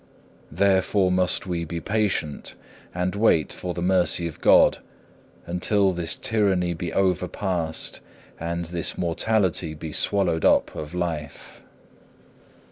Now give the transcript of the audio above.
Therefore must we be patient, and wait for the mercy of God, until this tyranny be overpast, and this mortality be swallowed up of life.